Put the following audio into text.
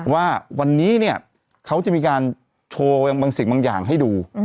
ว่าวันนี้เนี่ยเขาจะมีการโชว์บางสิ่งบางอย่างให้ดู